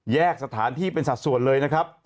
สถานที่เป็นสัดส่วนเลยนะครับ